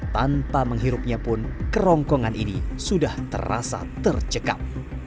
tanpa menghirupnya pun kerongkongan ini sudah terasa tercekam